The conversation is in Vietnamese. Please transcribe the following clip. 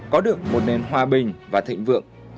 có được một nền hòa bình và thịnh vượng